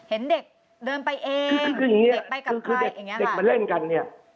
เห็นเด็กเดินไปเองคืออย่างเงี้ยเด็กไปกับใครอย่างเงี้ยค่ะเด็กมันเล่นกันเนี้ย